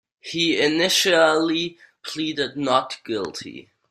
He initially pleaded not guilty.